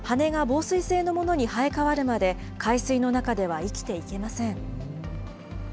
ふ化したひなは羽が防水性のものに生え変わるまで海水の中では生きていけません。